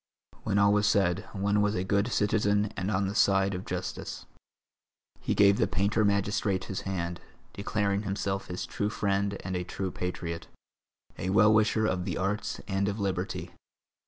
When all was said, one was a good citizen and on the side of justice. He gave the painter magistrate his hand, declaring himself his true friend and a true patriot, a well wisher of the arts and of liberty.